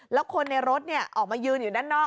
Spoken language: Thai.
แล้วคนในรถออกมายืนอยู่ด้านนอก